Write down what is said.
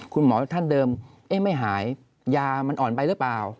คุณหมอท่านเดิมไม่หายยามันอ่อนไปหรือเปล่า